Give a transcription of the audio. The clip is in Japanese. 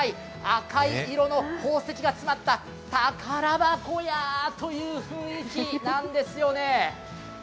赤い色の宝石が詰まった宝箱やという雰囲気なんですよね。